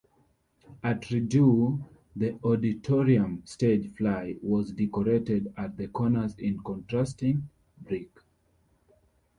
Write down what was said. At Rideau the auditorium stage fly was decorated at the corners in contrasting brick.